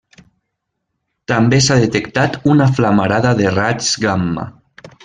També s'ha detectat una flamarada de raigs gamma.